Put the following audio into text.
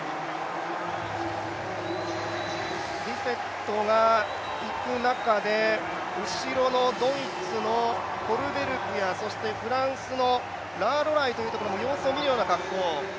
ビセットがいく中で後ろのドイツのコルベルグやフランスのラアロライというところも様子を見るような格好。